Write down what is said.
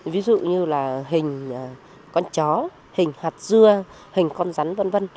ví dụ như là hình con chó hình hạt dưa hình con rắn vân vân